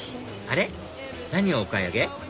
あれ⁉何をお買い上げ？